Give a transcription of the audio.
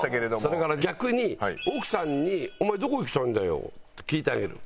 それから逆に奥さんに「お前どこ行きたいんだよ」って聞いてあげる。